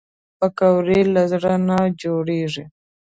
پکورې له زړه نه جوړېږي